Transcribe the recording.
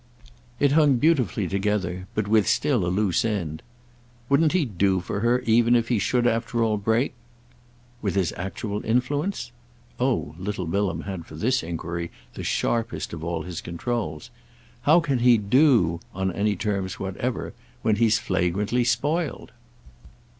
It hung beautifully together, but with still a loose end. "Wouldn't he do for her even if he should after all break—" "With his actual influence?" Oh little Bilham had for this enquiry the sharpest of all his controls. "How can he 'do'—on any terms whatever—when he's flagrantly spoiled?"